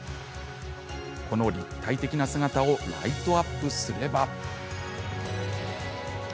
この立体的な姿をライトアップすれば。